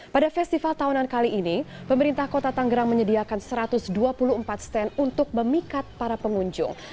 pada festival tahunan kali ini pemerintah kota tanggerang menyediakan satu ratus dua puluh empat stand untuk memikat para pengunjung